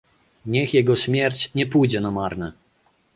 Niech jego śmierć nie pójdzie na marne"